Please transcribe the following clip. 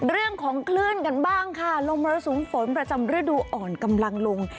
เรื่องของคลื่นกันบ้างค่ะลมมรสุมฝนประจำฤดูอ่อนกำลังลง